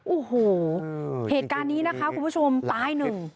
โอ้โหเหตุการณ์นี้นะคะคุณผู้ชมตายหนึ่ง